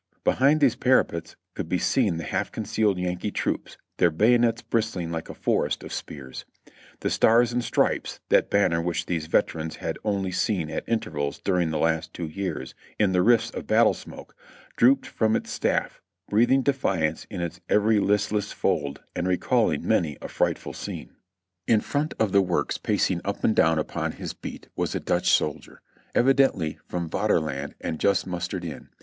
Be hind these parapets could be seen the half concealed Yankee troops, their bayonets bristling like a forest of spears. The Stars and Stripes (that banner which these veterans had only seen at intervals during the last two years, in the rifts of battle smoke) drooped from its staff, breathing defiance in its every listless fold and recalling many a frightful scene. 336 JOHNNY REB AND BILLY YANK In front of the works, pacing up and down upon his beat, was a Dutch soldier, evidently from Vaterland and just mustered in.